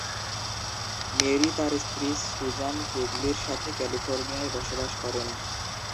Mary তার স্ত্রী Susan কেগলীর সাথে ক্যালিফোর্নিয়ায় বসবাস করেন।